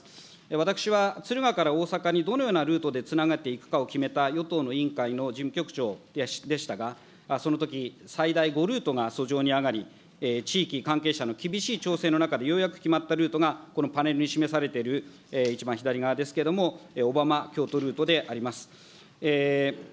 私は敦賀から大阪にどのようなルートでつなげていくかを決めた与党の委員会の事務局長でしたが、そのとき、最大５ルートが遡上に上がり、地域関係者の厳しい調整の中でようやく決まったルートが、このパネルに示されている、一番左側ですけれども、小浜・京都ルートであります。